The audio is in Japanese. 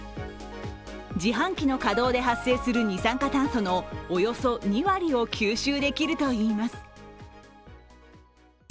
自販機の稼働で発生する二酸化炭素のおよそ２割を吸収できるといいます。